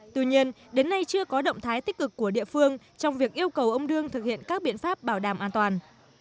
tuy nhiên đến nay chưa có động thái tích cực của địa phương trong việc yêu cầu ông đương thực hiện các biện pháp bảo đảm an toàn